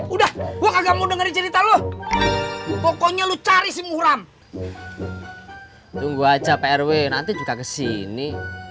udah gua kagak mau dengerin cerita lu pokoknya lu cari si muram tunggu aja prw nanti juga kesini